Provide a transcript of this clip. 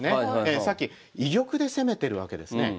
さっき居玉で攻めてるわけですね。